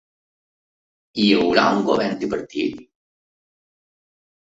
Hi haurà un govern tripartit?